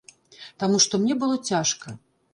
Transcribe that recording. Таму што мне было цяжка.